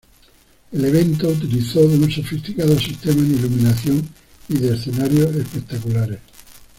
El evento utilizó de un sofisticado sistema de iluminación y de escenarios espectaculares.